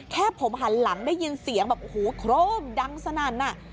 แค่ผมหันหลังได้ยินเสียงแบบโอ้โหโครมดังสนั่นน่ะ